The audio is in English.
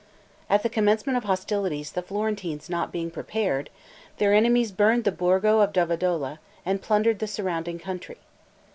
At the commencement of hostilities, the Florentines not being prepared, their enemies burned the Borgo of Dovadola, and plundered the surrounding country.